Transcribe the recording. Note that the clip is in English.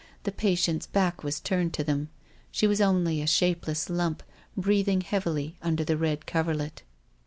The patient's back was turned to them. She was only a shapeless lump, breathing heavily under the red coverlet.